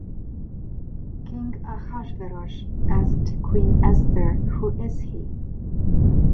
King Ahasuerus asked Queen Esther, Who is he?